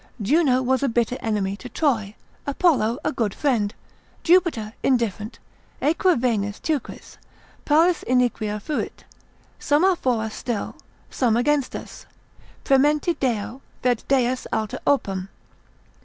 Juno was a bitter enemy to Troy, Apollo a good friend, Jupiter indifferent, Aequa Venus Teucris, Pallas iniqua fuit; some are for us still, some against us, Premente Deo, fert Deus alter opem.